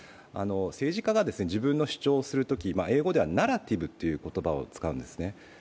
政治家が自分の主張をするとき、英語ではナラティブという言葉を使うんですね。